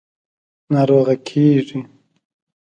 – ناروغه کېږې.